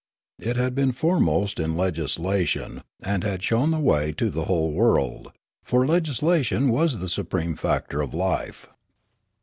It had been foremost in legislation and had shown the way to the whole world ; for legislation was the supreme factor of life.